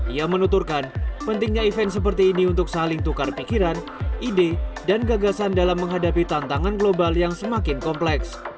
ia menuturkan pentingnya event seperti ini untuk saling tukar pikiran ide dan gagasan dalam menghadapi tantangan global yang semakin kompleks